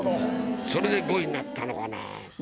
それで５位になったのかなぁと。